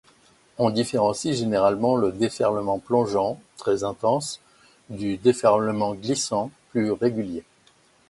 On différencie généralement le déferlement plongeant, très intense, du déferlement glissant, plus régulier.